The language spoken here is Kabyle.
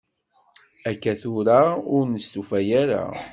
Akka tura ur nestufa ara.